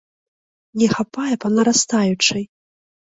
Не хапае па нарастаючай.